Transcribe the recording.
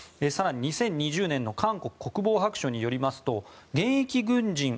更に２０２０年の韓国国防白書によりますと現役軍人